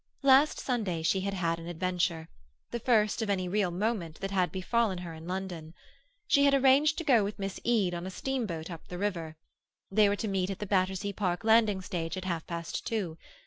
Last Sunday she had had an adventure, the first of any real moment that had befallen her in London. She had arranged to go with Miss Eade on a steamboat up the river. They were to meet at the Battersea Park landing stage at half past two.